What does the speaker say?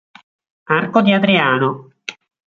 Arco di Adriano